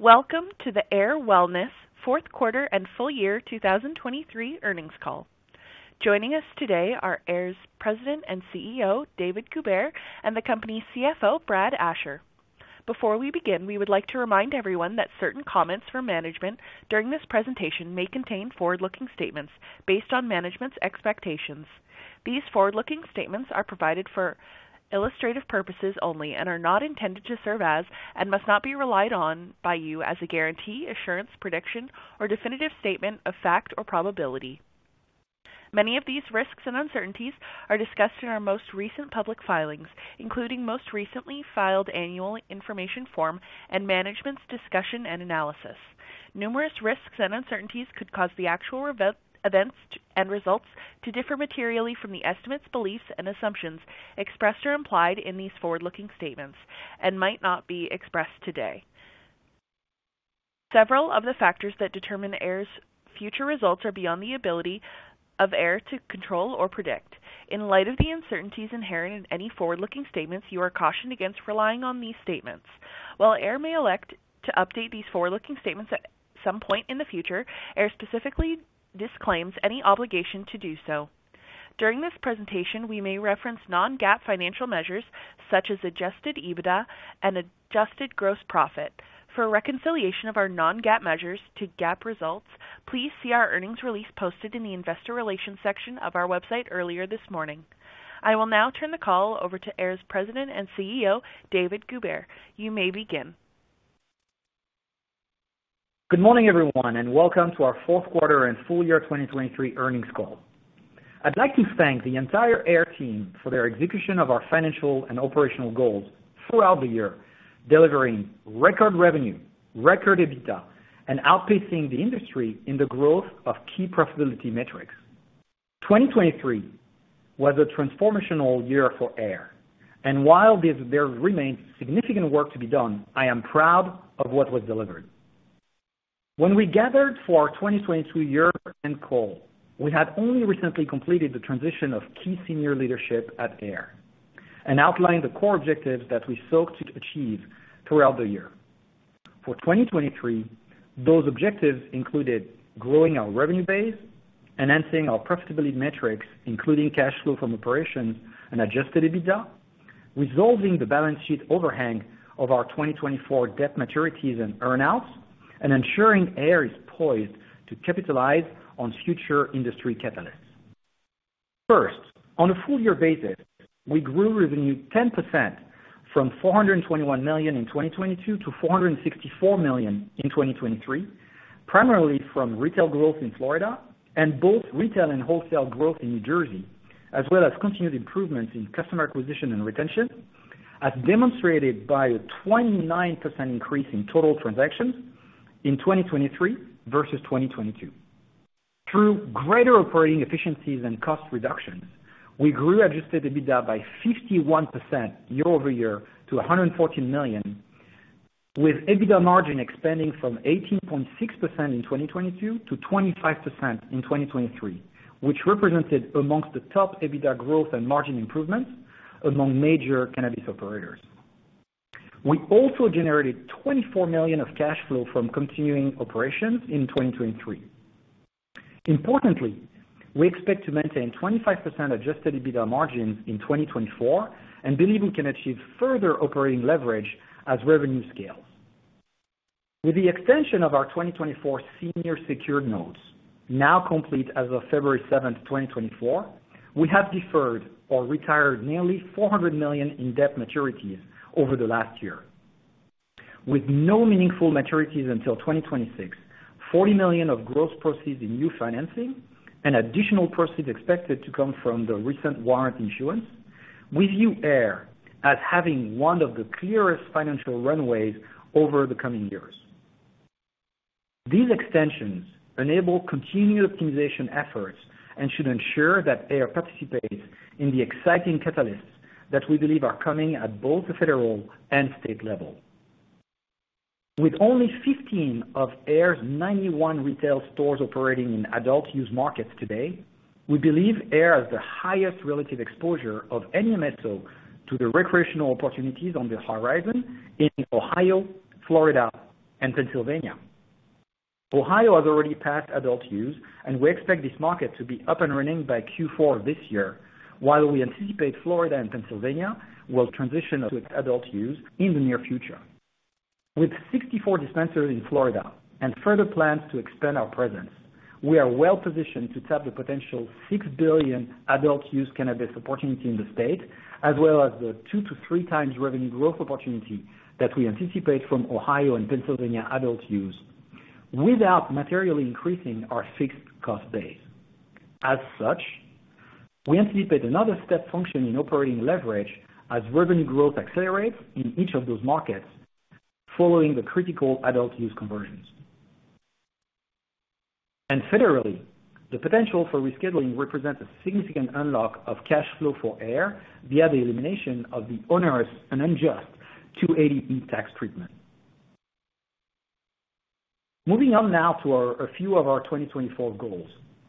Welcome to the AYR Wellness fourth quarter and full year 2023 earnings call. Joining us today are AYR's President and CEO, David Goubert, and the company's CFO, Brad Asher. Before we begin, we would like to remind everyone that certain comments from management during this presentation may contain forward-looking statements based on management's expectations. These forward-looking statements are provided for illustrative purposes only and are not intended to serve as, and must not be relied on by you as a guarantee, assurance, prediction, or definitive statement of fact or probability. Many of these risks and uncertainties are discussed in our most recent public filings, including most recently filed annual information form and management's discussion and analysis. Numerous risks and uncertainties could cause the actual events and results to differ materially from the estimates, beliefs, and assumptions expressed or implied in these forward-looking statements and might not be expressed today. Several of the factors that determine AYR's future results are beyond the ability of AYR to control or predict. In light of the uncertainties inherent in any forward-looking statements, you are cautioned against relying on these statements. While AYR may elect to update these forward-looking statements at some point in the future, AYR specifically disclaims any obligation to do so. During this presentation, we may reference non-GAAP financial measures such as Adjusted EBITDA and Adjusted Gross Profit. For a reconciliation of our non-GAAP measures to GAAP results, please see our earnings release posted in the investor relations section of our website earlier this morning. I will now turn the call over to AYR's President and CEO, David Goubert. You may begin. Good morning, everyone, and welcome to our fourth quarter and full year 2023 earnings call. I'd like to thank the entire AYR team for their execution of our financial and operational goals throughout the year, delivering record revenue, record EBITDA, and outpacing the industry in the growth of key profitability metrics. 2023 was a transformational year for AYR, and while there remains significant work to be done, I am proud of what was delivered. When we gathered for our 2022 year-end call, we had only recently completed the transition of key senior leadership at AYR and outlined the core objectives that we sought to achieve throughout the year. For 2023, those objectives included growing our revenue base, enhancing our profitability metrics, including cash flow from operations and Adjusted EBITDA, resolving the balance sheet overhang of our 2024 debt maturities and earn-outs, and ensuring AYR is poised to capitalize on future industry catalysts. First, on a full year basis, we grew revenue 10% from $421 million in 2022 to $464 million in 2023, primarily from retail growth in Florida and both retail and wholesale growth in New Jersey, as well as continued improvements in customer acquisition and retention, as demonstrated by a 29% increase in total transactions in 2023 versus 2022. Through greater operating efficiencies and cost reductions, we grew Adjusted EBITDA by 51% year-over-year to $114 million, with EBITDA margin expanding from 18.6% in 2022 to 25% in 2023, which represented amongst the top EBITDA growth and margin improvements among major cannabis operators. We also generated $24 million of cash flow from continuing operations in 2023. Importantly, we expect to maintain 25% Adjusted EBITDA margins in 2024 and believe we can achieve further operating leverage as revenue scales. With the extension of our 2024 senior secured notes, now complete as of February 7, 2024, we have deferred or retired nearly $400 million in debt maturities over the last year. With no meaningful maturities until 2026, $40 million of gross proceeds in new financing and additional proceeds expected to come from the recent warrant issuance, we view AYR as having one of the clearest financial runways over the coming years. These extensions enable continued optimization efforts and should ensure that AYR participates in the exciting catalysts that we believe are coming at both the federal and state level. With only 15 of AYR's 91 retail stores operating in Adult-Use markets today, we believe AYR has the highest relative exposure of any MSO to the recreational opportunities on the horizon in Ohio, Florida, and Pennsylvania. Ohio has already passed Adult-Use, and we expect this market to be up and running by Q4 this year, while we anticipate Florida and Pennsylvania will transition to Adult-Use in the near future. With 64 dispensaries in Florida and further plans to expand our presence, we are well positioned to tap the potential $6 billion adult-use cannabis opportunity in the state, as well as the 2x-3x revenue growth opportunity that we anticipate from Ohio and Pennsylvania adult-use, without materially increasing our fixed cost base. As such, we anticipate another step function in operating leverage as revenue growth accelerates in each of those markets following the critical adult-use conversions. And federally, the potential for rescheduling represents a significant unlock of cash flow for AYR via the elimination of the onerous and unjust 280E tax treatment. Moving on now to our, a few of our 2024 goals.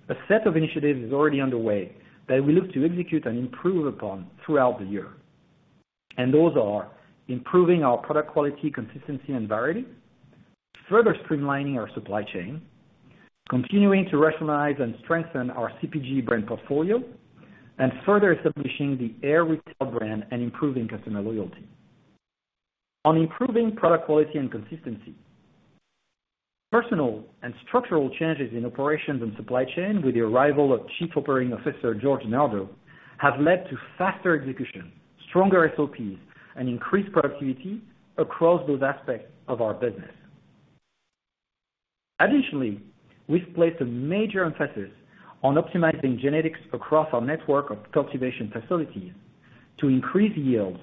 A set of initiatives is already underway that we look to execute and improve upon throughout the year, and those are: improving our product quality, consistency, and variety, further streamlining our supply chain, continuing to rationalize and strengthen our CPG brand portfolio, and further establishing the AYR retail brand and improving customer loyalty. On improving product quality and consistency, personal and structural changes in operations and supply chain with the arrival of Chief Operating Officer, George DeNardo, have led to faster execution, stronger SOPs, and increased productivity across those aspects of our business. Additionally, we've placed a major emphasis on optimizing genetics across our network of cultivation facilities to increase yields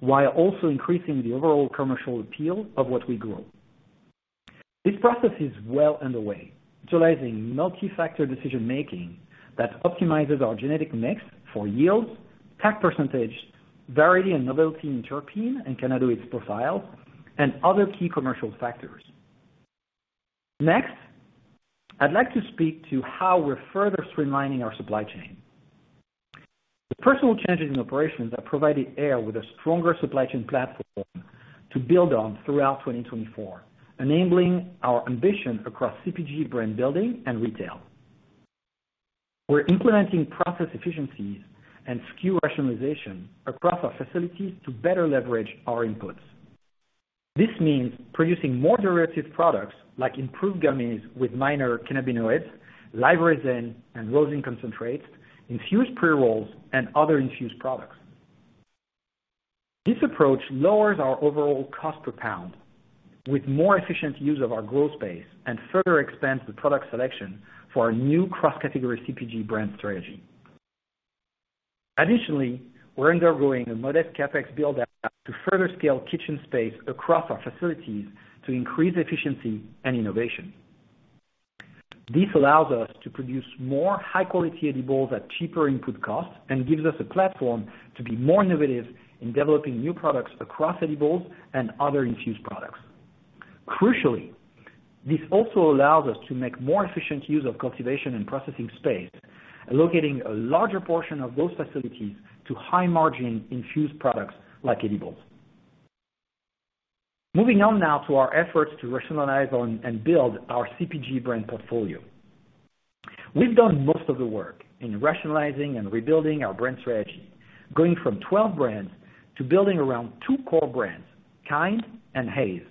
while also increasing the overall commercial appeal of what we grow. This process is well underway, utilizing multifactor decision-making that optimizes our genetic mix for yields, pack percentage, variety, and novelty in terpene and cannabinoid profiles, and other key commercial factors. Next, I'd like to speak to how we're further streamlining our supply chain. The personnel changes in operations have provided AYR with a stronger supply chain platform to build on throughout 2024, enabling our ambition across CPG brand building and retail. We're implementing process efficiencies and SKU rationalization across our facilities to better leverage our inputs. This means producing more derivative products like improved gummies with minor cannabinoids, Live Resin and Rosin concentrates, infused pre-rolls, and other infused products. This approach lowers our overall cost per pound, with more efficient use of our growth space and further expands the product selection for our new cross-category CPG brand strategy. Additionally, we're undergoing a modest CapEx build-out to further scale kitchen space across our facilities to increase efficiency and innovation. This allows us to produce more high-quality edibles at cheaper input costs and gives us a platform to be more innovative in developing new products across edibles and other infused products. Crucially, this also allows us to make more efficient use of cultivation and processing space, allocating a larger portion of those facilities to high-margin infused products like edibles. Moving on now to our efforts to rationalize on and build our CPG brand portfolio. We've done most of the work in rationalizing and rebuilding our brand strategy, going from 12 brands to building around two core brands, Kynd and Haze,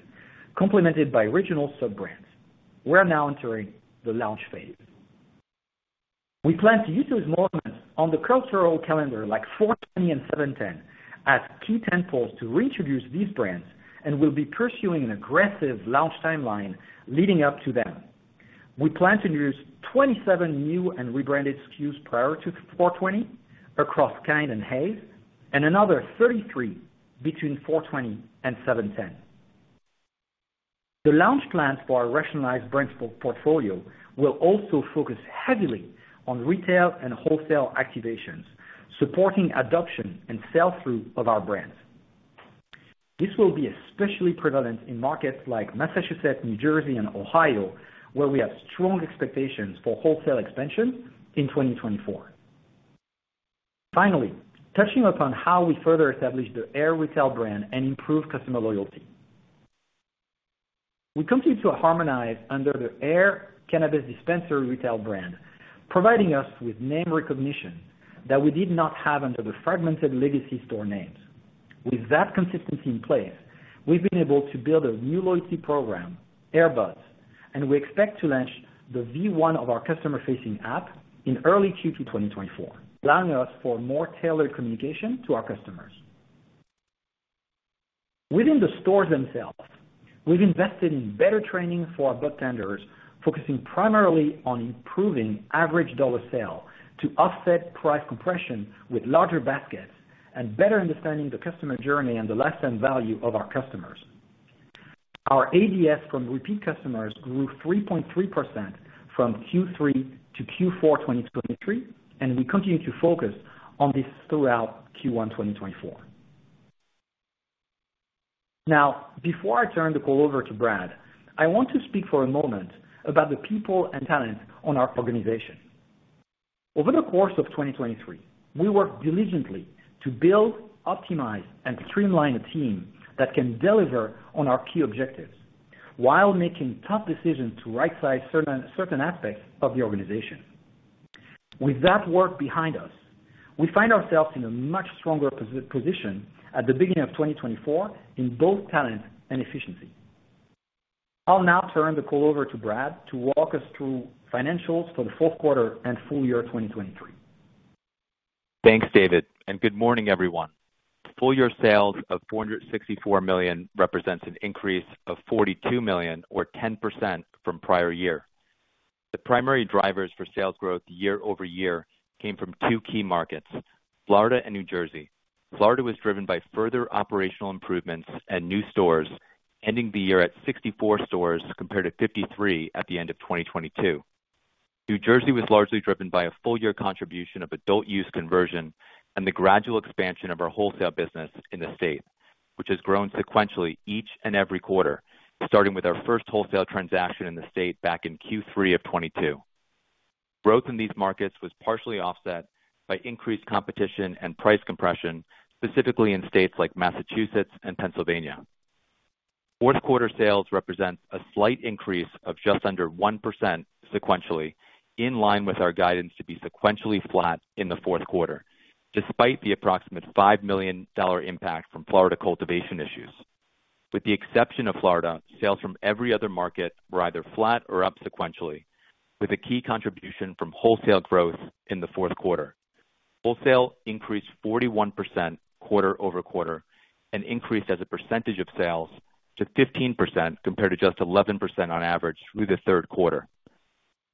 complemented by regional sub-brands. We're now entering the launch phase. We plan to use those moments on the cultural calendar, like 4/20 and 7/10, as key tent poles to reintroduce these brands, and we'll be pursuing an aggressive launch timeline leading up to them. We plan to introduce 27 new and rebranded SKUs prior to 4/20 across Kynd and Haze, and another 33 between 4/20 and 7/10. The launch plan for our rationalized brand portfolio will also focus heavily on retail and wholesale activations, supporting adoption and sell-through of our brands. This will be especially prevalent in markets like Massachusetts, New Jersey, and Ohio, where we have strong expectations for wholesale expansion in 2024. Finally, touching upon how we further establish the AYR retail brand and improve customer loyalty. We continue to harmonize under the AYR Cannabis Dispensary retail brand, providing us with name recognition that we did not have under the fragmented legacy store names. With that consistency in place, we've been able to build a new loyalty program, AYR Buds, and we expect to launch the V1 of our customer-facing app in early Q2 2024, allowing us for more tailored communication to our customers. Within the stores themselves, we've invested in better training for our budtenders, focusing primarily on improving average dollar sale to offset price compression with larger baskets and better understanding the customer journey and the lifetime value of our customers. Our ADS from repeat customers grew 3.3% from Q3 to Q4 2023, and we continue to focus on this throughout Q1 2024. Now, before I turn the call over to Brad, I want to speak for a moment about the people and talent on our organization. Over the course of 2023, we worked diligently to build, optimize, and streamline a team that can deliver on our key objectives while making tough decisions to rightsize certain aspects of the organization. With that work behind us, we find ourselves in a much stronger position at the beginning of 2024 in both talent and efficiency. I'll now turn the call over to Brad to walk us through financials for the fourth quarter and full year 2023. Thanks, David, and good morning, everyone. Full year sales of $464 million represents an increase of $42 million or 10% from prior year. The primary drivers for sales growth year-over-year came from two key markets, Florida and New Jersey. Florida was driven by further operational improvements and new stores, ending the year at 64 stores, compared to 53 at the end of 2022. New Jersey was largely driven by a full year contribution of Adult-Use conversion and the gradual expansion of our wholesale business in the state, which has grown sequentially each and every quarter, starting with our first wholesale transaction in the state back in Q3 of 2022. Growth in these markets was partially offset by increased competition and price compression, specifically in states like Massachusetts and Pennsylvania. Fourth quarter sales represent a slight increase of just under 1% sequentially, in line with our guidance to be sequentially flat in the fourth quarter, despite the approximate $5 million impact from Florida cultivation issues. With the exception of Florida, sales from every other market were either flat or up sequentially, with a key contribution from wholesale growth in the fourth quarter. Wholesale increased 41% quarter over quarter and increased as a percentage of sales to 15%, compared to just 11% on average through the third quarter.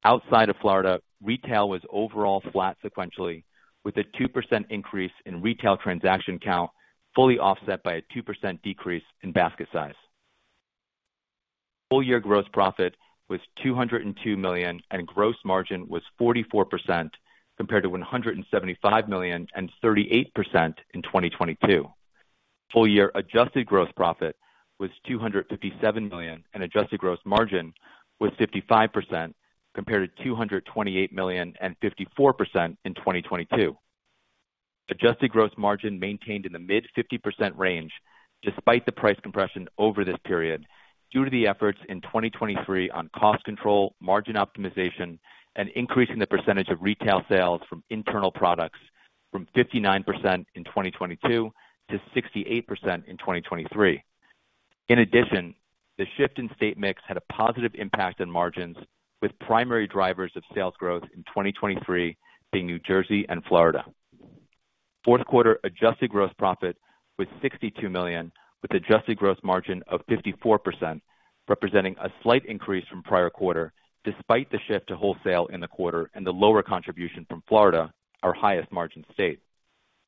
Outside of Florida, retail was overall flat sequentially, with a 2% increase in retail transaction count, fully offset by a 2% decrease in basket size. Full year gross profit was $202 million, and gross margin was 44%, compared to $175 million and 38% in 2022. Full year adjusted gross profit was $257 million, and adjusted gross margin was 55%, compared to $228 million and 54% in 2022. Adjusted gross margin maintained in the mid-50% range despite the price compression over this period, due to the efforts in 2023 on cost control, margin optimization, and increasing the percentage of retail sales from internal products from 59% in 2022 to 68% in 2023. In addition, the shift in state mix had a positive impact on margins, with primary drivers of sales growth in 2023 being New Jersey and Florida. Fourth quarter adjusted gross profit was $62 million, with adjusted gross margin of 54%, representing a slight increase from prior quarter, despite the shift to wholesale in the quarter and the lower contribution from Florida, our highest margin state.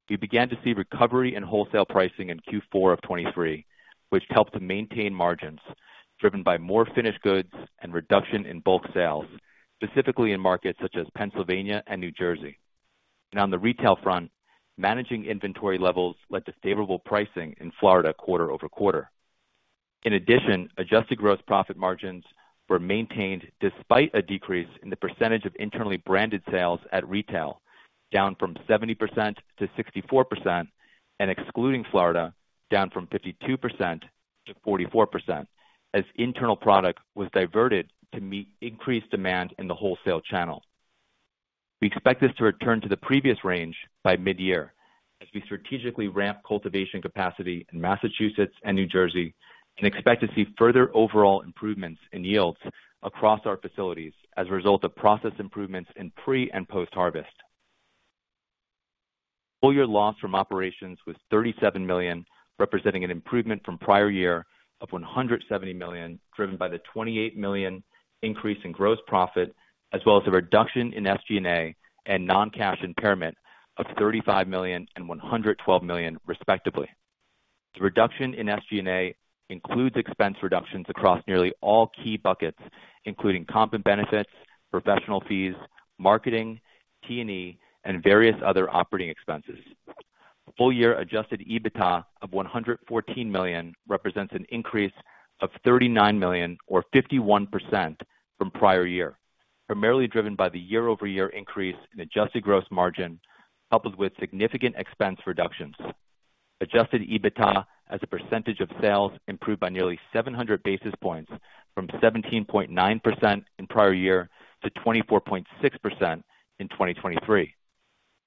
We began to see recovery in wholesale pricing in Q4 of 2023, which helped to maintain margins driven by more finished goods and reduction in bulk sales, specifically in markets such as Pennsylvania and New Jersey. On the retail front, managing inventory levels led to favorable pricing in Florida quarter-over-quarter. In addition, Adjusted Gross Profit margins were maintained despite a decrease in the percentage of internally branded sales at retail, down from 70% to 64%, and excluding Florida, down from 52% to 44%, as internal product was diverted to meet increased demand in the wholesale channel. We expect this to return to the previous range by mid-year as we strategically ramp cultivation capacity in Massachusetts and New Jersey, and expect to see further overall improvements in yields across our facilities as a result of process improvements in pre and post-harvest. Full year loss from operations was $37 million, representing an improvement from prior year of $170 million, driven by the $28 million increase in gross profit, as well as a reduction in SG&A and non-cash impairment of $35 million and $112 million, respectively. The reduction in SG&A includes expense reductions across nearly all key buckets, including comp and benefits, professional fees, marketing, T&E, and various other operating expenses. Full year adjusted EBITDA of $114 million represents an increase of $39 million, or 51%, from prior year, primarily driven by the year-over-year increase in adjusted gross margin, coupled with significant expense reductions. Adjusted EBITDA as a percentage of sales improved by nearly 700 basis points from 17.9% in prior year to 24.6% in 2023.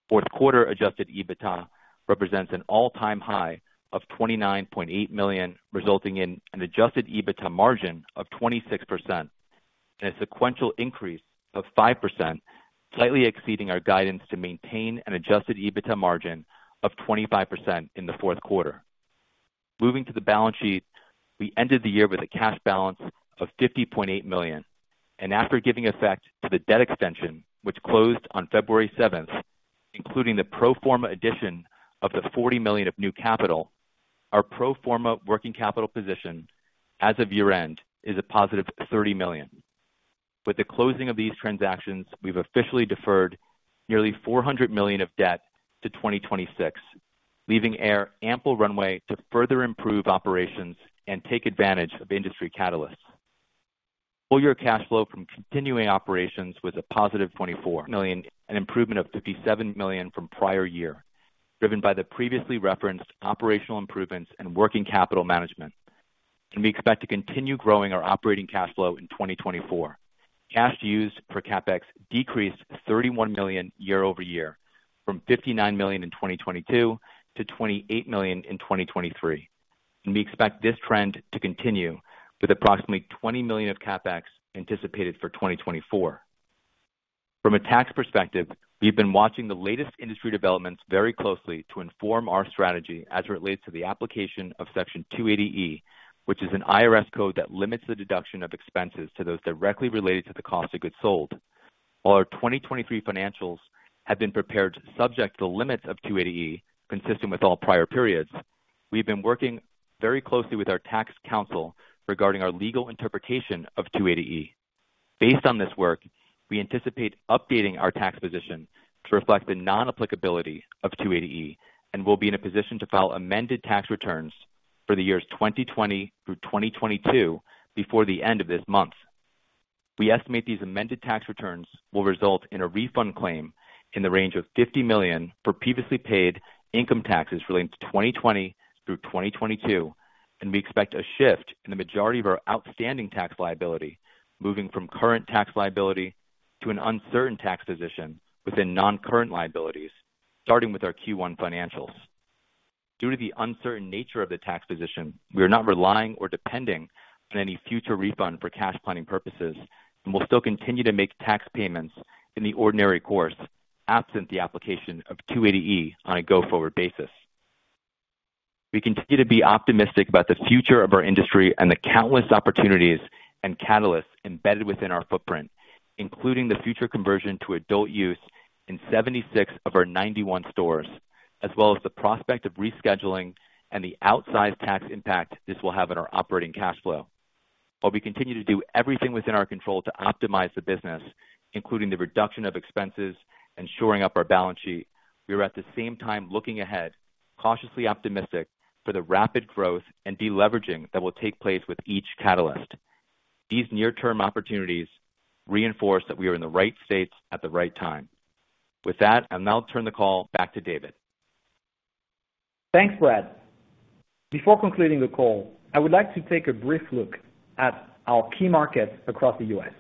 Fourth quarter adjusted EBITDA represents an all-time high of $29.8 million, resulting in an adjusted EBITDA margin of 26% and a sequential increase of 5%, slightly exceeding our guidance to maintain an adjusted EBITDA margin of 25% in the fourth quarter. Moving to the balance sheet, we ended the year with a cash balance of $50.8 million. After giving effect to the debt extension, which closed on February 7, including the pro forma addition of the $40 million of new capital, our pro forma working capital position as of year-end is a +$30 million. With the closing of these transactions, we've officially deferred nearly $400 million of debt to 2026, leaving us ample runway to further improve operations and take advantage of industry catalysts. Full year cash flow from continuing operations was a +$24 million, an improvement of $57 million from prior year, driven by the previously referenced operational improvements and working capital management, and we expect to continue growing our operating cash flow in 2024. Cash used for CapEx decreased $31 million year-over-year, from $59 million in 2022 to $28 million in 2023, and we expect this trend to continue with approximately $20 million of CapEx anticipated for 2024. From a tax perspective, we've been watching the latest industry developments very closely to inform our strategy as it relates to the application of Section 280E, which is an IRS code that limits the deduction of expenses to those directly related to the cost of goods sold. Our 2023 financials have been prepared subject to the limits of 280E, consistent with all prior periods. We've been working very closely with our tax counsel regarding our legal interpretation of 280E. Based on this work, we anticipate updating our tax position to reflect the non-applicability of 280E, and we'll be in a position to file amended tax returns for the years 2020 through 2022 before the end of this month. We estimate these amended tax returns will result in a refund claim in the range of $50 million for previously paid income taxes relating to 2020 through 2022, and we expect a shift in the majority of our outstanding tax liability, moving from current tax liability to an uncertain tax position within non-current liabilities, starting with our Q1 financials. Due to the uncertain nature of the tax position, we are not relying or depending on any future refund for cash planning purposes, and we'll still continue to make tax payments in the ordinary course, absent the application of 280E on a go-forward basis. We continue to be optimistic about the future of our industry and the countless opportunities and catalysts embedded within our footprint, including the future conversion to Adult-Use in 76 of our 91 stores, as well as the prospect of rescheduling and the outsized tax impact this will have on our operating cash flow. While we continue to do everything within our control to optimize the business, including the reduction of expenses and shoring up our balance sheet, we are at the same time looking ahead, cautiously optimistic for the rapid growth and deleveraging that will take place with each catalyst. These near-term opportunities reinforce that we are in the right states at the right time. With that, I'll now turn the call back to David. Thanks, Brad. Before concluding the call, I would like to take a brief look at our key markets across the U.S.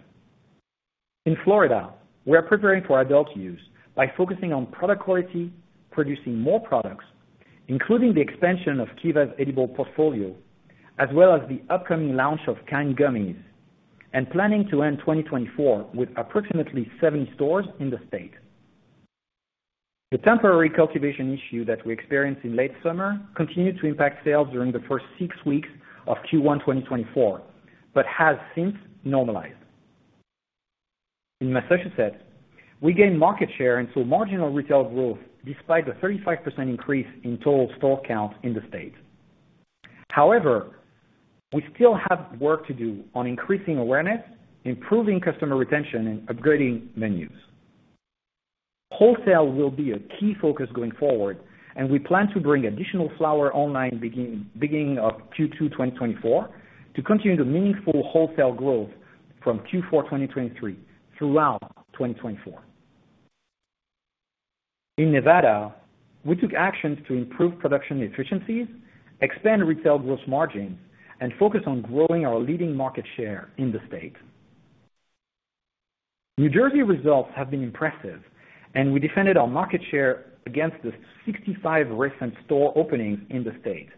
In Florida, we are preparing for Adult-Use by focusing on product quality, producing more products, including the expansion of Kiva's edible portfolio, as well as the upcoming launch of Camino Gummies, and planning to end 2024 with approximately seven stores in the state. The temporary cultivation issue that we experienced in late summer continued to impact sales during the first six weeks of Q1 2024, but has since normalized. In Massachusetts, we gained market share and saw marginal retail growth despite the 35% increase in total store count in the state. However, we still have work to do on increasing awareness, improving customer retention, and upgrading menus. Wholesale will be a key focus going forward, and we plan to bring additional flower online beginning of Q2 2024, to continue the meaningful wholesale growth from Q4 2023 throughout 2024. In Nevada, we took actions to improve production efficiencies, expand retail gross margins, and focus on growing our leading market share in the state. New Jersey results have been impressive, and we defended our market share against the 65 recent store openings in the state.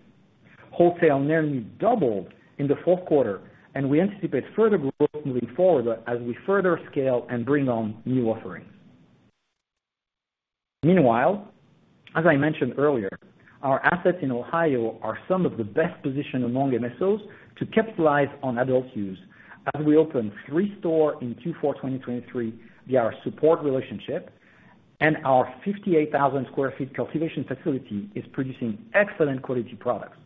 Wholesale nearly doubled in the fourth quarter, and we anticipate further growth moving forward as we further scale and bring on new offerings. Meanwhile, as I mentioned earlier, our assets in Ohio are some of the best positioned among MSOs to capitalize on Adult-Use as we open 3 stores in Q4 2023, via our support relationship, and our 58,000 sq ft cultivation facility is producing excellent quality products.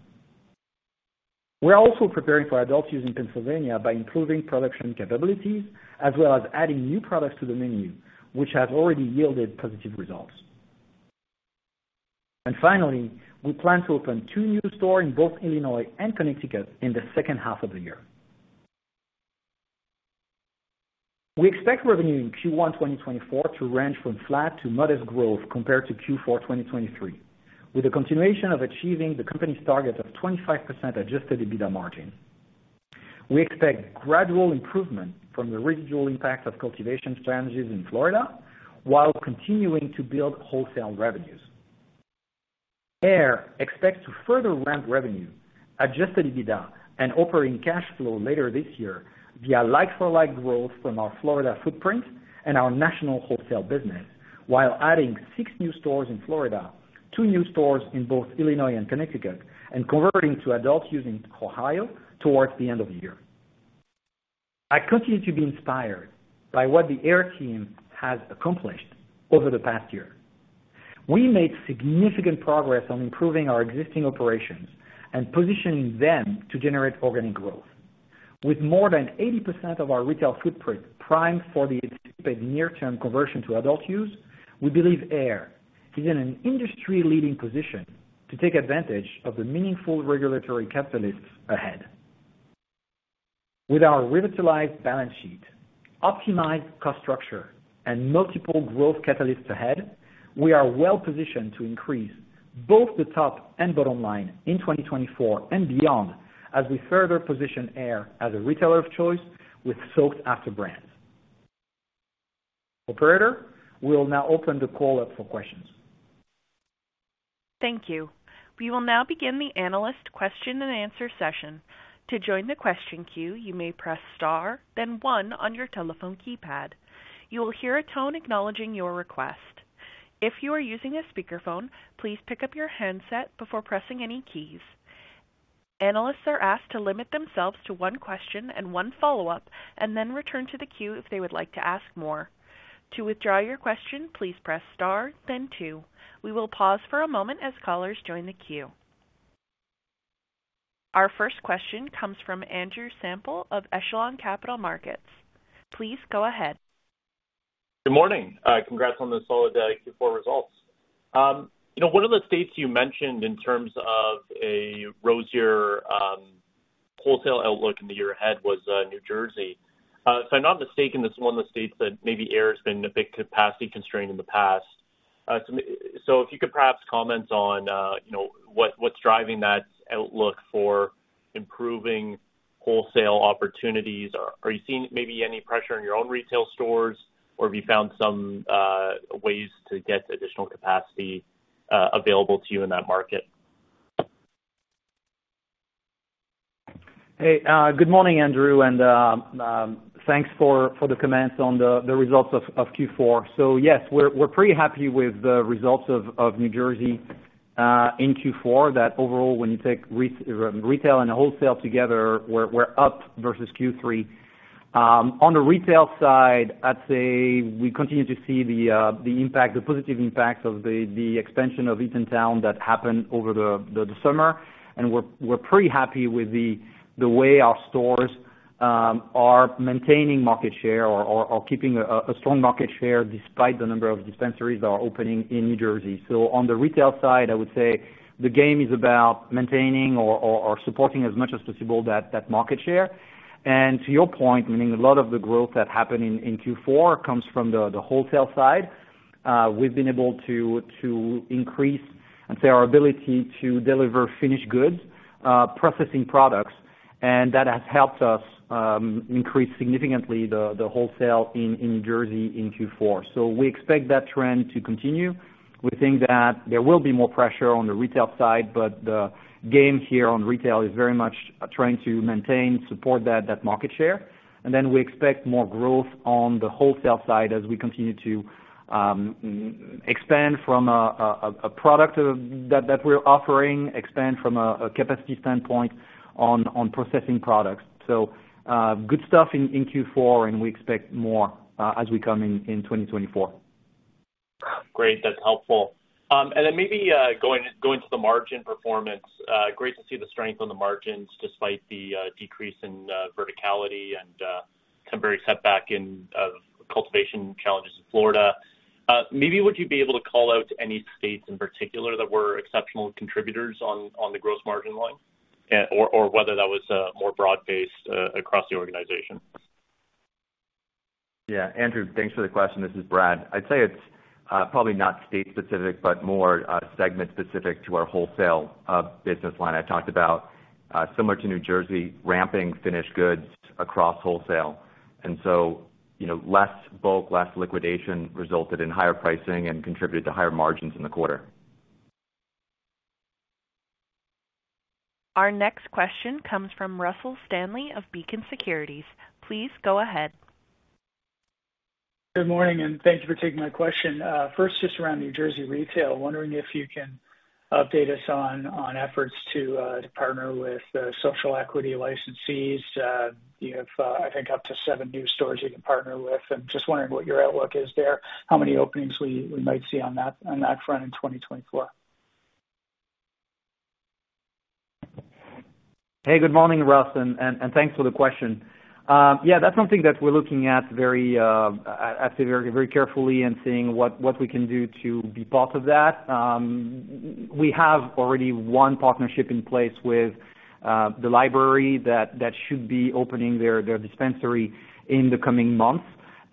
We are also preparing for Adult-Use in Pennsylvania by improving production capabilities as well as adding new products to the menu, which has already yielded positive results. And finally, we plan to open 2 new stores in both Illinois and Connecticut in the second half of the year. We expect revenue in Q1 2024 to range from flat to modest growth compared to Q4 2023, with a continuation of achieving the company's target of 25% Adjusted EBITDA margin. We expect gradual improvement from the residual impact of cultivation strategies in Florida while continuing to build wholesale revenues. AYR expects to further ramp revenue, Adjusted EBITDA and operating cash flow later this year via like-for-like growth from our Florida footprint and our national wholesale business, while adding six new stores in Florida, two new stores in both Illinois and Connecticut, and converting to Adult-Use in Ohio towards the end of the year. I continue to be inspired by what the AYR team has accomplished over the past year. We made significant progress on improving our existing operations and positioning them to generate organic growth. With more than 80% of our retail footprint primed for the anticipated near-term conversion to Adult-Use, we believe AYR is in an industry-leading position to take advantage of the meaningful regulatory catalysts ahead. With our revitalized balance sheet, optimized cost structure, and multiple growth catalysts ahead, we are well positioned to increase both the top and bottom line in 2024 and beyond as we further position AYR as a retailer of choice with sought-after brands. Operator, we will now open the call up for questions. Thank you. We will now begin the analyst question and answer session. To join the question queue, you may press star, then one on your telephone keypad. You will hear a tone acknowledging your request. If you are using a speakerphone, please pick up your handset before pressing any keys.... Analysts are asked to limit themselves to one question and one follow-up, and then return to the queue if they would like to ask more. To withdraw your question, please press star then two. We will pause for a moment as callers join the queue. Our first question comes from Andrew Semple of Echelon Capital Markets. Please go ahead. Good morning. Congrats on the solid Q4 results. You know, one of the states you mentioned in terms of a rosier wholesale outlook in the year ahead was New Jersey. If I'm not mistaken, this is one of the states that maybe AYR has been a big capacity constraint in the past. So if you could perhaps comment on, you know, what, what's driving that outlook for improving wholesale opportunities? Are you seeing maybe any pressure in your own retail stores, or have you found some ways to get additional capacity available to you in that market? Hey, good morning, Andrew, and thanks for the comments on the results of Q4. So yes, we're pretty happy with the results of New Jersey in Q4, that overall, when you take retail and wholesale together, we're up versus Q3. On the retail side, I'd say we continue to see the impact, the positive impact of the expansion of Eatontown that happened over the summer. And we're pretty happy with the way our stores are maintaining market share or keeping a strong market share despite the number of dispensaries that are opening in New Jersey. So on the retail side, I would say the game is about maintaining or supporting as much as possible that market share. And to your point, meaning a lot of the growth that happened in Q4 comes from the wholesale side. We've been able to increase, I'd say, our ability to deliver finished goods, processing products, and that has helped us increase significantly the wholesale in New Jersey in Q4. So we expect that trend to continue. We think that there will be more pressure on the retail side, but the game here on retail is very much trying to maintain, support that market share. And then we expect more growth on the wholesale side as we continue to expand from a product that we're offering, expand from a capacity standpoint on processing products. So, good stuff in Q4, and we expect more as we come in 2024. Great. That's helpful. And then maybe going to the margin performance. Great to see the strength on the margins despite the decrease in verticality and temporary setback in cultivation challenges in Florida. Maybe would you be able to call out any states in particular that were exceptional contributors on the gross margin line? Or whether that was more broad-based across the organization. Yeah, Andrew, thanks for the question. This is Brad. I'd say it's probably not state specific, but more segment specific to our wholesale business line. I talked about similar to New Jersey, ramping finished goods across wholesale, and so, you know, less bulk, less liquidation resulted in higher pricing and contributed to higher margins in the quarter. Our next question comes from Russell Stanley of Beacon Securities. Please go ahead. Good morning, and thank you for taking my question. First, just around New Jersey retail, wondering if you can update us on efforts to partner with the social equity licensees. You have, I think, up to seven new stores you can partner with, and just wondering what your outlook is there, how many openings we might see on that front in 2024. Hey, good morning, Russ, and thanks for the question. Yeah, that's something that we're looking at very, I'd say very, very carefully and seeing what we can do to be part of that. We have already one partnership in place with the Library that should be opening their dispensary in the coming months,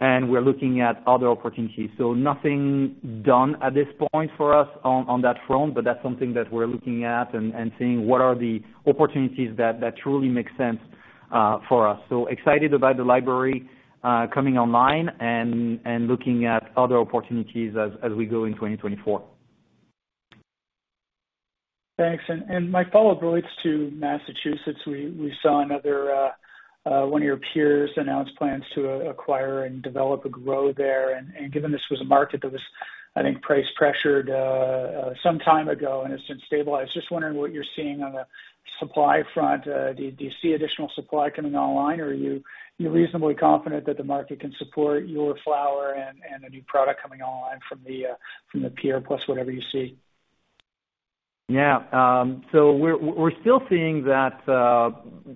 and we're looking at other opportunities. So nothing done at this point for us on that front, but that's something that we're looking at and seeing what are the opportunities that truly make sense for us. So excited about the Library coming online and looking at other opportunities as we go in 2024. Thanks. And my follow-up relates to Massachusetts. We saw another one of your peers announce plans to acquire and develop a grow there. And given this was a market that was, I think, price pressured some time ago and has since stabilized, just wondering what you're seeing on the supply front. Do you see additional supply coming online, or are you reasonably confident that the market can support your flower and the new product coming online from the peer, plus whatever you see? Yeah, so we're still seeing that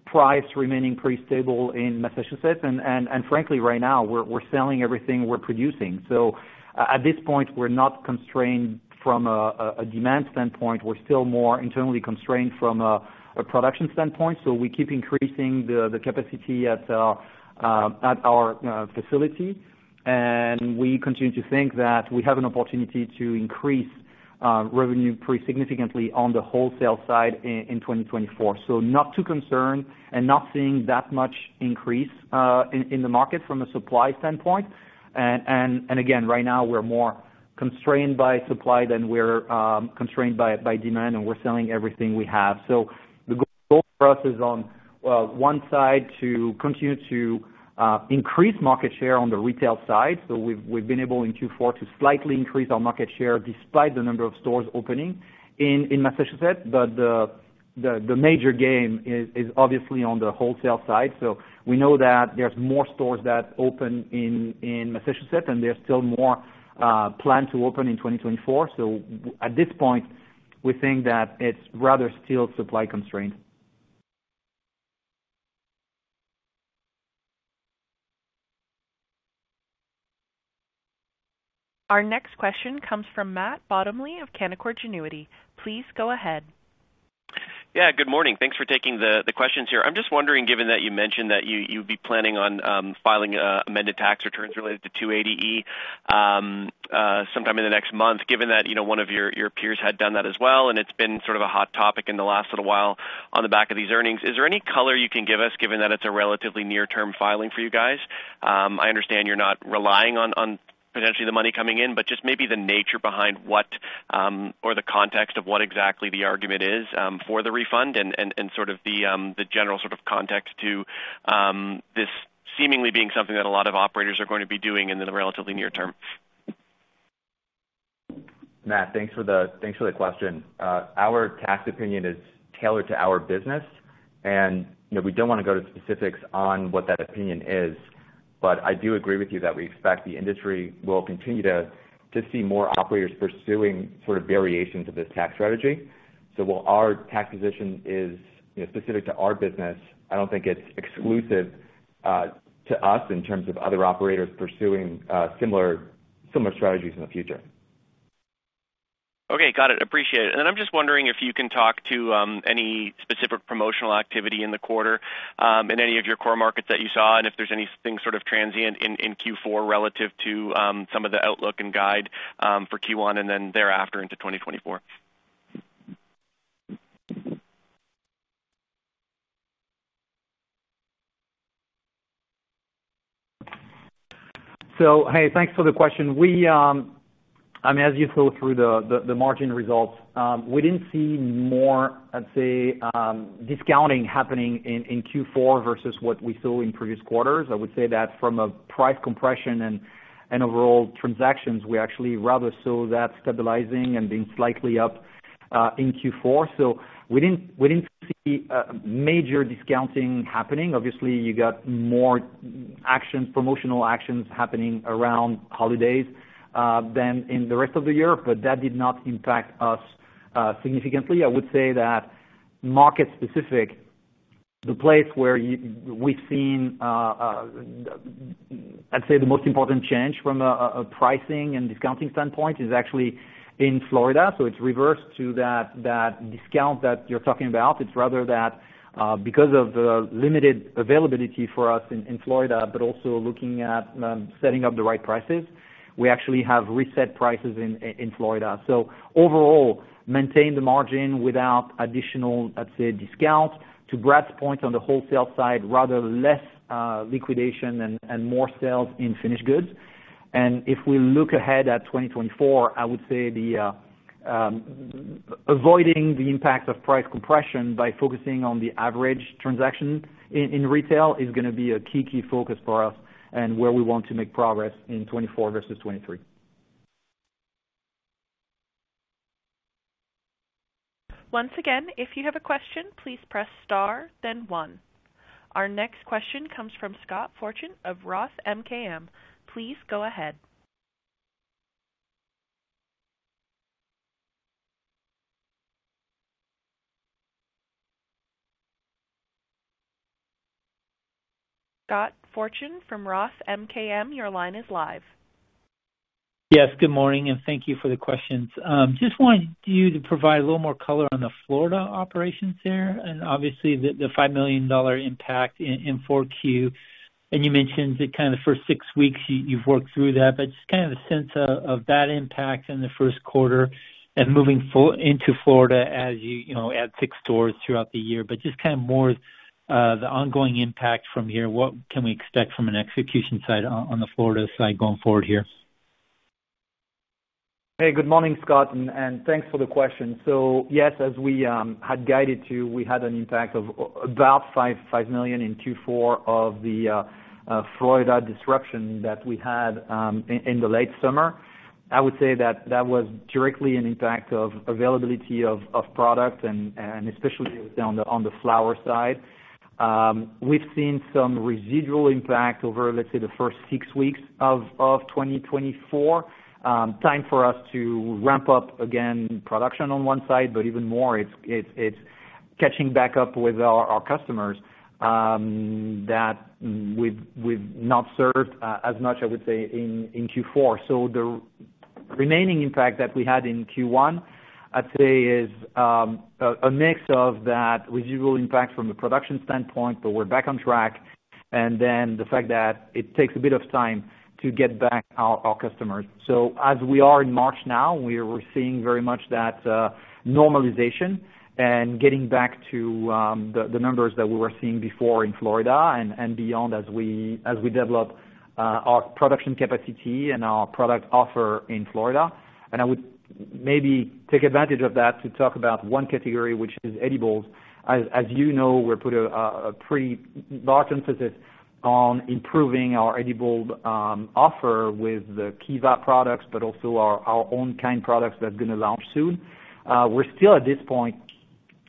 price remaining pretty stable in Massachusetts, and frankly, right now we're selling everything we're producing. So at this point, we're not constrained from a demand standpoint. We're still more internally constrained from a production standpoint, so we keep increasing the capacity at our facility, and we continue to think that we have an opportunity to increase revenue pretty significantly on the wholesale side in 2024. So not too concerned and not seeing that much increase in the market from a supply standpoint. And again, right now, we're more constrained by supply than we're constrained by demand, and we're selling everything we have. So the goal for us is on one side to continue to increase market share on the retail side. So we've been able in Q4 to slightly increase our market share despite the number of stores opening in Massachusetts, but the major game is obviously on the wholesale side. So we know that there's more stores that open in Massachusetts, and there's still more planned to open in 2024. So at this point, we think that it's rather still supply constrained. Our next question comes from Matt Bottomley of Canaccord Genuity. Please go ahead. Yeah, good morning. Thanks for taking the questions here. I'm just wondering, given that you mentioned that you'd be planning on filing amended tax returns related to 280E sometime in the next month, given that, you know, one of your peers had done that as well, and it's been sort of a hot topic in the last little while on the back of these earnings. Is there any color you can give us, given that it's a relatively near-term filing for you guys? I understand you're not relying on potentially the money coming in, but just maybe the nature behind what, or the context of what exactly the argument is, for the refund and sort of the general sort of context to this seemingly being something that a lot of operators are going to be doing in the relatively near term. Matt, thanks for the question. Our tax opinion is tailored to our business, and, you know, we don't wanna go to specifics on what that opinion is, but I do agree with you that we expect the industry will continue to see more operators pursuing sort of variations of this tax strategy. So while our tax position is, you know, specific to our business, I don't think it's exclusive to us in terms of other operators pursuing similar strategies in the future. Okay, got it. Appreciate it. And then I'm just wondering if you can talk to any specific promotional activity in the quarter, in any of your core markets that you saw, and if there's anything sort of transient in Q4 relative to some of the outlook and guide for Q1, and then thereafter into 2024? So hey, thanks for the question. We, I mean, as you saw through the margin results, we didn't see more, I'd say, discounting happening in Q4 versus what we saw in previous quarters. I would say that from a price compression and overall transactions, we actually rather saw that stabilizing and being slightly up in Q4. So we didn't see major discounting happening. Obviously, you got more actions, promotional actions happening around holidays than in the rest of the year, but that did not impact us significantly. I would say that market-specific, the place where we've seen, I'd say, the most important change from a pricing and discounting standpoint is actually in Florida. So it's reversed to that discount that you're talking about. It's rather that, because of the limited availability for us in Florida, but also looking at setting up the right prices, we actually have reset prices in Florida. So overall, maintain the margin without additional, I'd say, discount. To Brad's point on the wholesale side, rather less liquidation and more sales in finished goods. And if we look ahead at 2024, I would say the avoiding the impact of price compression by focusing on the average transaction in retail is gonna be a key, key focus for us and where we want to make progress in 2024 versus 2023. Once again, if you have a question, please press star, then one. Our next question comes from Scott Fortune of Roth MKM. Please go ahead. Scott Fortune from Roth MKM, your line is live. Yes, good morning, and thank you for the questions. Just wanted you to provide a little more color on the Florida operations there, and obviously the $5 million impact in Q4. And you mentioned that Kynd of the first six weeks you've worked through that, but just Kynd of a sense of that impact in the first quarter and moving into Florida as you know add six stores throughout the year. But just Kynd of more the ongoing impact from here, what can we expect from an execution side on the Florida side going forward here? Hey, good morning, Scott, and thanks for the question. So yes, as we had guided you, we had an impact of about $5 million in Q4 of the Florida disruption that we had in the late summer. I would say that that was directly an impact of availability of product and especially on the flower side. We've seen some residual impact over, let's say, the first six weeks of 2024. Time for us to ramp up again, production on one side, but even more, it's catching back up with our customers that we've not served as much, I would say, in Q4. So the remaining impact that we had in Q1, I'd say, is a mix of that residual impact from a production standpoint, but we're back on track, and then the fact that it takes a bit of time to get back our customers. So as we are in March now, we're seeing very much that normalization and getting back to the numbers that we were seeing before in Florida and beyond as we develop our production capacity and our product offer in Florida. And I would maybe take advantage of that to talk about one category, which is edibles. As you know, we put a pretty large emphasis on improving our edible offer with the Kiva products, but also our own Kynd of products that are gonna launch soon. We're still at this point,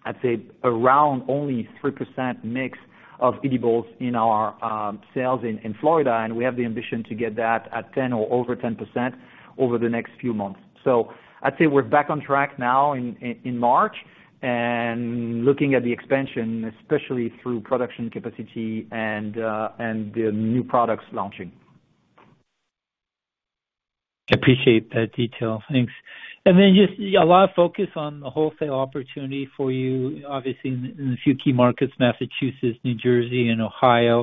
I'd say, around only 3% mix of edibles in our sales in Florida, and we have the ambition to get that at 10% or over 10% over the next few months. So I'd say we're back on track now in March, and looking at the expansion, especially through production capacity and the new products launching. Appreciate that detail. Thanks. And then just, a lot of focus on the wholesale opportunity for you, obviously, in, in the few key markets, Massachusetts, New Jersey and Ohio.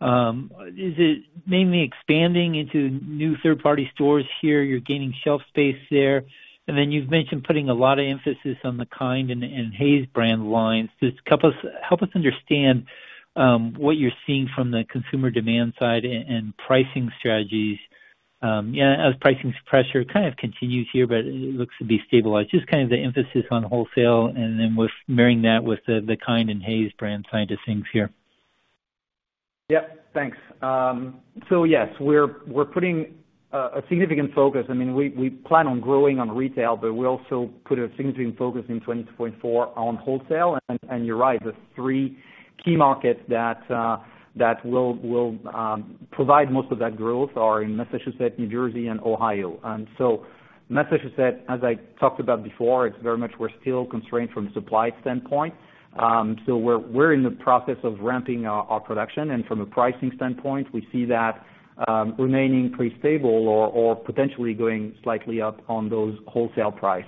Is it mainly expanding into new third-party stores here? You're gaining shelf space there, and then you've mentioned putting a lot of emphasis on the Kynd and, and Haze brand lines. Just help us, help us understand, what you're seeing from the consumer demand side and, and pricing strategies. Yeah, as pricing pressure Kynd of continues here, but it looks to be stabilized. Just Kynd of the emphasis on wholesale and then with marrying that with the, the Kynd and Haze brand side of things here. Yep, thanks. So yes, we're putting a significant focus. I mean, we plan on growing on retail, but we also put a significant focus in 2024 on wholesale. And you're right, the three key markets that will provide most of that growth are in Massachusetts, New Jersey and Ohio. And so Massachusetts, as I talked about before, it's very much we're still constrained from a supply standpoint. So we're in the process of ramping our production, and from a pricing standpoint, we see that remaining pretty stable or potentially going slightly up on those wholesale price.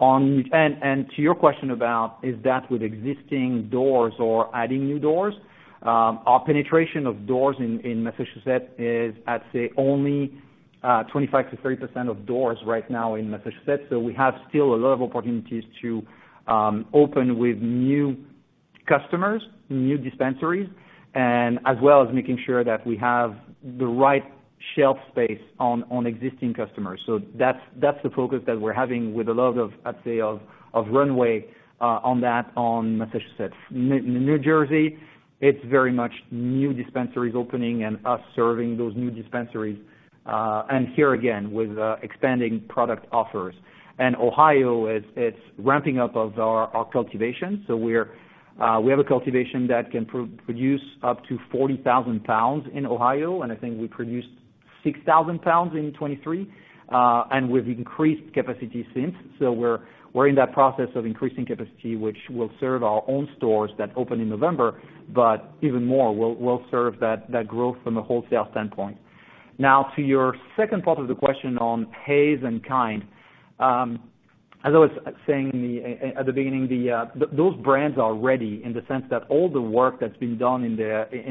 And to your question about is that with existing doors or adding new doors? Our penetration of doors in Massachusetts is, I'd say, only 25%-30% of doors right now in Massachusetts. So we have still a lot of opportunities to open with new customers, new dispensaries, and as well as making sure that we have the right shelf space on existing customers. So that's the focus that we're having with a lot of, I'd say, runway on Massachusetts. New Jersey, it's very much new dispensaries opening and us serving those new dispensaries, and here again with expanding product offers. And Ohio, it's ramping up of our cultivation. So we have a cultivation that can produce up to 40,000 lbs in Ohio, and I think we produced 6,000 lbs in 2023. And we've increased capacity since. So we're in that process of increasing capacity, which will serve our own stores that open in November, but even more, will serve that growth from a wholesale standpoint. Now, to your second part of the question on Haze and Kynd. As I was saying at the beginning, those brands are ready in the sense that all the work that's been done in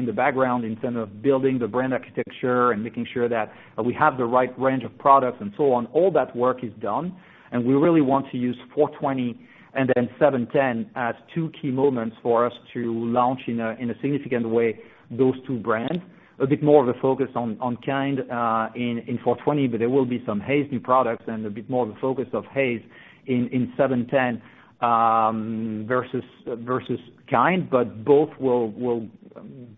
the background, in terms of building the brand architecture and making sure that we have the right range of products and so on, all that work is done, and we really want to use four twenty and then seven ten as two key moments for us to launch in a significant way, those two brands. A bit more of a focus on Kynd in 4/20, but there will be some Haze new products and a bit more of the focus of Haze in 7/10 versus Kynd, but both will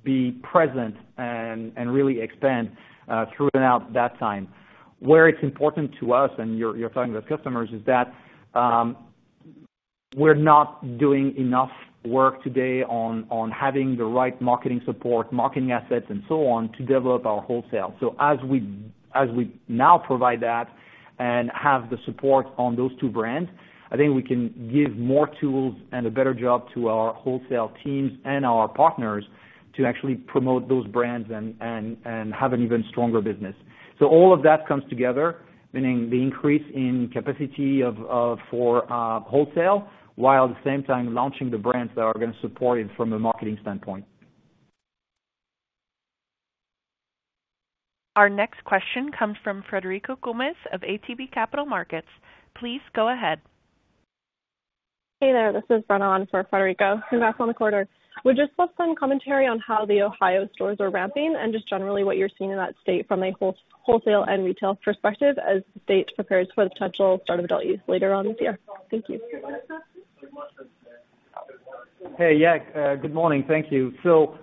be present and really expand throughout that time. Where it's important to us, and you're talking about customers, is that we're not doing enough work today on having the right marketing support, marketing assets, and so on, to develop our wholesale. So as we now provide that and have the support on those two brands, I think we can give more tools and a better job to our wholesale teams and our partners to actually promote those brands and have an even stronger business. So all of that comes together, meaning the increase in capacity of, for, wholesale, while at the same time launching the brands that are going to support it from a marketing standpoint. Our next question comes from Frederico Gomes of ATB Capital Markets. Please go ahead. Hey there, this is Brenna for Frederico, who's out on the quarter. Would you put some commentary on how the Ohio stores are ramping and just generally what you're seeing in that state from a wholesale and retail perspective as the state prepares for the potential start of Adult-Use later on this year? Thank you. Hey, yeah, good morning. Thank you. So,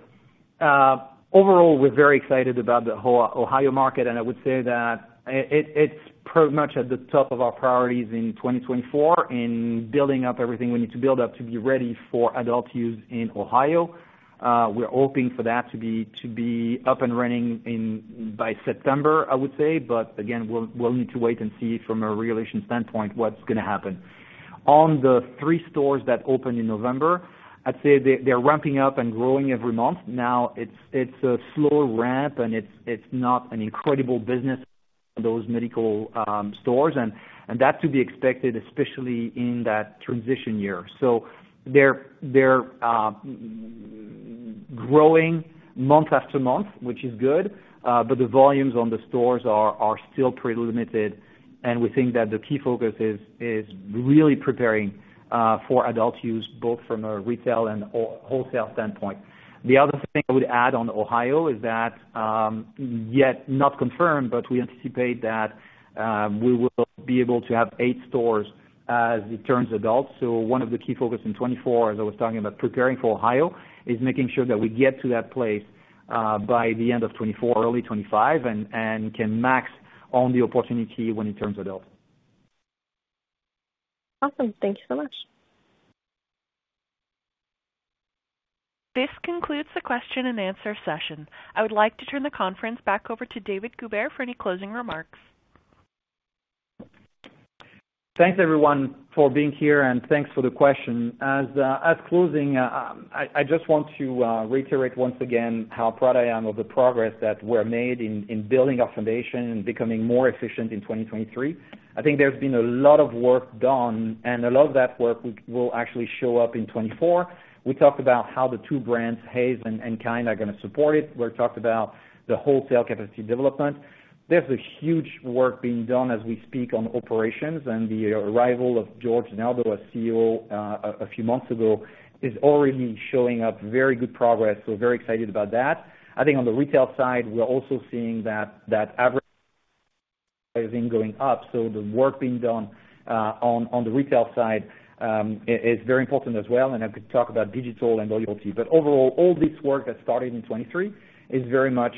overall, we're very excited about the whole Ohio market, and I would say that it, it's pretty much at the top of our priorities in 2024 in building up everything we need to build up to be ready for Adult-Use in Ohio. We're hoping for that to be up and running in by September, I would say. But again, we'll need to wait and see from a regulation standpoint, what's gonna happen. On the three stores that opened in November, I'd say they're ramping up and growing every month. Now, it's a slow ramp, and it's not an incredible business for those medical stores, and that's to be expected, especially in that transition year. So they're growing month after month, which is good, but the volumes on the stores are still pretty limited, and we think that the key focus is really preparing for Adult-Use, both from a retail and wholesale standpoint. The other thing I would add on Ohio is that, yet not confirmed, but we anticipate that we will be able to have eight stores as it turns Adult-Use. So one of the key focus in 2024, as I was talking about preparing for Ohio, is making sure that we get to that place, by the end of 2024, early 2025, and can max on the opportunity when it turns Adult-Use. Awesome. Thank you so much. This concludes the question and answer session. I would like to turn the conference back over to David Goubert for any closing remarks. Thanks, everyone, for being here, and thanks for the question. As closing, I just want to reiterate once again how proud I am of the progress that were made in building our foundation and becoming more efficient in 2023. I think there's been a lot of work done, and a lot of that work we will actually show up in 2024. We talked about how the two brands, Haze and Kynd, are gonna support it. We talked about the wholesale capacity development. There's a huge work being done as we speak on operations, and the arrival of George DeNardo, as COO, a few months ago, is already showing up very good progress. So very excited about that. I think on the retail side, we're also seeing that, that average is then going up, so the work being done on the retail side is very important as well, and I could talk about digital and loyalty. But overall, all this work that started in 2023 is very much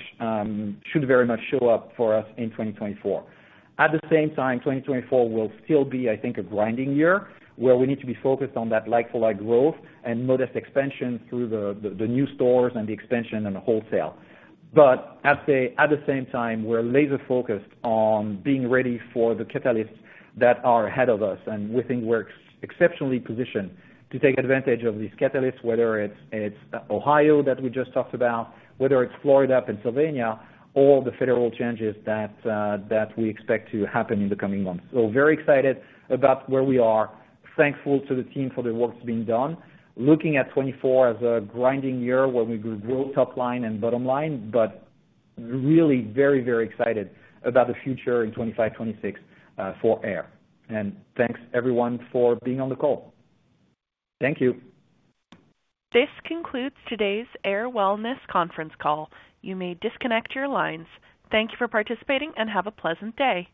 should very much show up for us in 2024. At the same time, 2024 will still be, I think, a grinding year, where we need to be focused on that like-for-like growth and modest expansion through the new stores and the expansion and the wholesale. But at the same time, we're laser focused on being ready for the catalysts that are ahead of us, and we think we're exceptionally positioned to take advantage of these catalysts, whether it's Ohio, that we just talked about, whether it's Florida, Pennsylvania, or the federal changes that we expect to happen in the coming months. So very excited about where we are. Thankful to the team for the work being done. Looking at 2024 as a grinding year where we grow top line and bottom line, but really very, very excited about the future in 2025, 2026, for AYR. And thanks, everyone, for being on the call. Thank you. This concludes today's AYR Wellness conference call. You may disconnect your lines. Thank you for participating, and have a pleasant day.